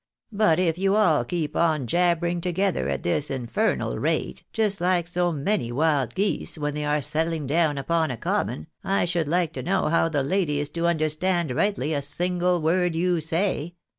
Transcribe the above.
But if you all keep on jabbering together at this infernal rate, just like so many wild geese, when they are settling down upon a common, I should like to know how the lady is to understand rightly a single word you say